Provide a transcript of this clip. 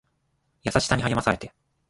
優しさに励まされて